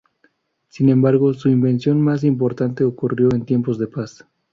Sin embargo, su invención más importante ocurrió en tiempos de paz.